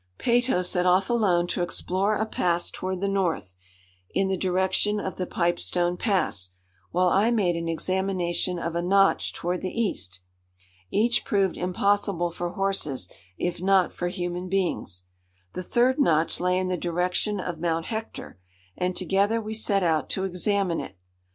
Peyto set off alone to explore a pass toward the north, in the direction of the Pipestone Pass, while I made an examination of a notch toward the east. Each proved impossible for horses, if not for human beings. The third notch lay in the direction of Mount Hector, and together we set out to examine it.